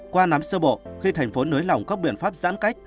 qua nắm sơ bộ khi thành phố nới lỏng các biện pháp giãn cách